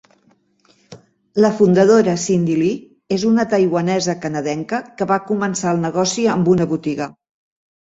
La fundadora Cindy Lee és una taiwanesa-canadenca que va començar el negoci amb una botiga.